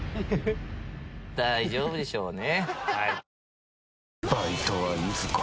大丈夫でしょうね。